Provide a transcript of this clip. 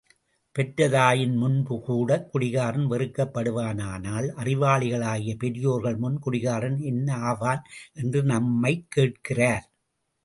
பெற்ற தாயின் முன்புகூடக் குடிகாரன் வெறுக்கப்படுவானானால், அறிவாளிகளாகிய பெரியோர்கள் முன் குடிகாரன் என்ன ஆவான்? என்று நம்மைக் கேட்கிறார்.